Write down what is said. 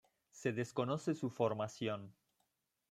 Se desconoce su formación.